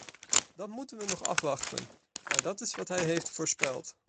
Dat moeten we nog afwachten, maar dat is wat hij heeft voorspeld.